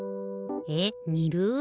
えっにる？